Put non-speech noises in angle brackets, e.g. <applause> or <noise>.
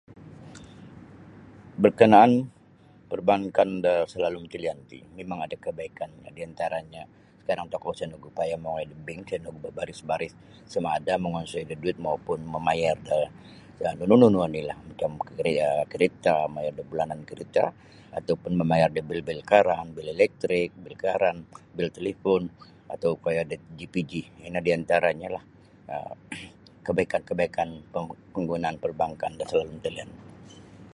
Berkanaan perbankan da salalum talian ti mimang ada kebaikanya di antaranyo sakarang okou isa nogu payah mongoi da bank isa nogu babaris-baris samaada mau mangonsoi da duit maupun mamayar da da nunu oni la mamayar da karita bulanan karita um ataulun mamayar da bil-bil karan bil elektrik bil karan talipun atau koyo da JPJ ino di antaranyo lah um <coughs> kabaikan-kabaikan perbankan da salalum talian.